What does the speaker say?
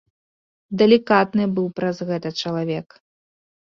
Далікатны быў праз гэта чалавек.